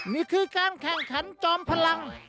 นี่คือการแข่งขันจอมพลัง